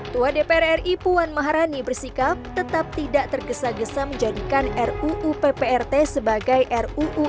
tua dpr ri puan maharani bersikap tetap tidak tergesa gesa menjadikan ruu pprt sebagai ruu